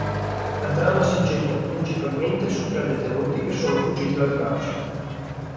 La trama si incentra principalmente su tre detenuti che sono fuggiti dal carcere.